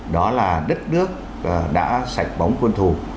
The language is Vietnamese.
đó là đất nước đã sạch bóng quân thù